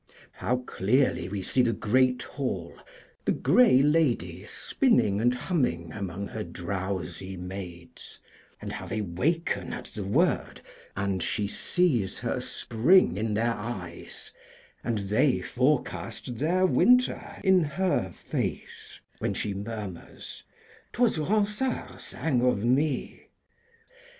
How clearly we see the great hall, the grey lady spinning and humming among her drowsy maids, and how they waken at the word, and she sees her spring in their eyes, and they forecast their winter in her face, when she murmurs ''Twas Ronsard sang of me.'